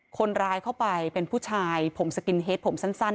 คนร้ายเข้าไปเป็นผู้ชายผมสกินเฮดผมสั้น